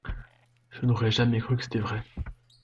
Je n’aurais jamais cru que c’était vrai.